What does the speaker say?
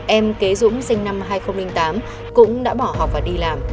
em kế dũng sinh năm hai nghìn tám cũng đã bỏ học và đi làm